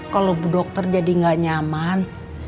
kalau bu dokter jadi gak nyaman